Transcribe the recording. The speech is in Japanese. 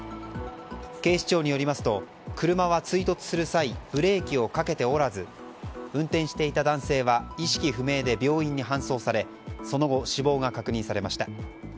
警視庁によりますと車は追突する際ブレーキをかけておらず運転していた男性は意識不明で病院に搬送されその後、死亡が確認されました。